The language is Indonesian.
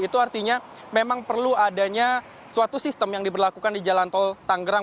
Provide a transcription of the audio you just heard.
itu artinya memang perlu adanya suatu sistem yang diberlakukan di jalan tol tanggerang